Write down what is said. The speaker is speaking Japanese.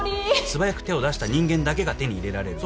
素早く手を出した人間だけが手に入れられる。